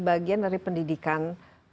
bagian dari pendidikan